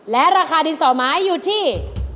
และราคาดินสอไม้อยู่ที่